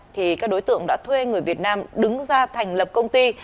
thì các đối tượng đã thuê người việt nam đứng ra thành lập công ty